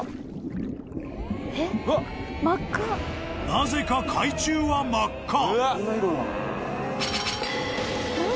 ［なぜか海中は真っ赤］